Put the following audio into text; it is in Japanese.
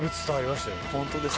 本当ですか？